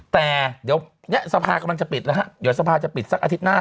แต่เดี๋ยวนี้สภากำลังจะปิดแล้วฮะเดี๋ยวสภาจะปิดสักอาทิตย์หน้า